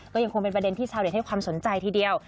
ก็ยังคงเป็นประเด็นที่ชาวเน็ตให้ความสนใจทีเดียว